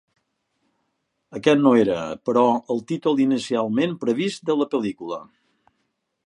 Aquest no era, però, el títol inicialment previst de la pel·lícula.